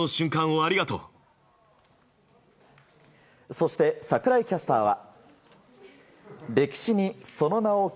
そして、櫻井キャスターは。